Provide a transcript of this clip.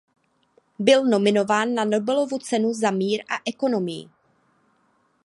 Byl nominován na Nobelovu cenu za mír a ekonomii.